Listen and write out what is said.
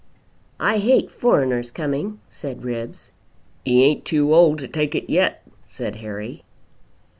"I hate foreigners coming," said Ribbs. "'E ain't too old to take it yet," said Harry.